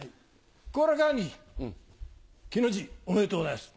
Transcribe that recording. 好楽兄貴喜の字おめでとうございます。